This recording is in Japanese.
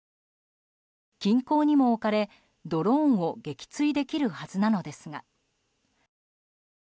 近郊にも置かれ、ドローンを撃墜できるはずなのですが。